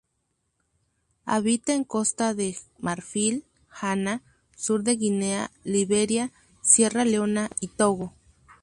Habita en Costa de Marfil, Ghana, sur de Guinea, Liberia, Sierra Leona y Togo.